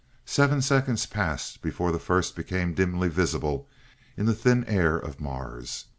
Seven seconds passed before the first became dimly visible in the thin air of Mars.